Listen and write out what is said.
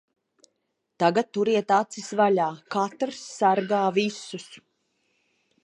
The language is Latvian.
Tagad turiet acis vaļā. Katrs sargā visus.